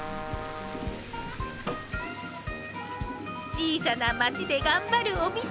小さな町で頑張るお店。